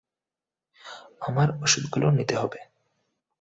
আমার ওষুধ গুলো নিতে হবে।